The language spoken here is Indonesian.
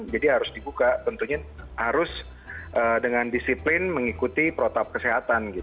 jadi harus dibuka tentunya harus dengan disiplin mengikuti protap kesehatan